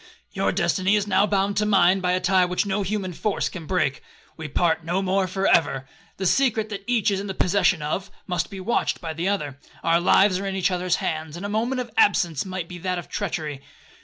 Your destiny is now bound to mine by a tie which no human force can break,—we part no more for ever. The secret that each is in possession of, must be watched by the other. Our lives are in each other's hands, and a moment of absence might be that of treachery.